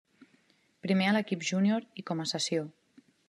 Primer a l'equip júnior i com a cessió.